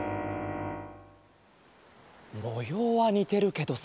もようはにてるけどさ。